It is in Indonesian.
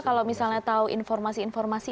kalau misalnya tahu informasi informasi